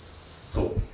そう。